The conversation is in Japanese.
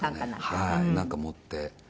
谷村：なんか持って。